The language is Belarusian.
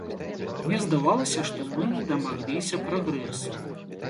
Мне здавалася, што мы дамагліся прагрэсу.